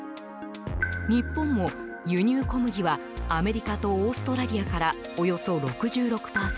日本も、輸入小麦はアメリカとオーストラリアからおよそ６６％。